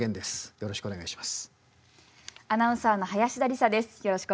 よろしくお願いします。